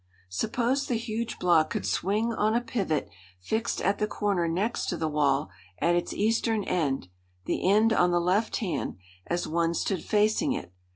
Suppose the huge block could swing on a pivot fixed at the corner next to the wall, at its eastern end the end on the left hand, as one stood facing it.